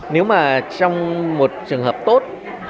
nếu mà trong một trường hợp tốt